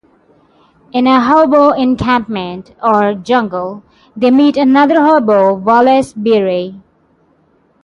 In a hobo encampment, or "jungle," they meet another hobo, Wallace Beery.